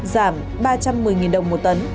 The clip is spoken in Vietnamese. giảm ba trăm một mươi đồng một tấn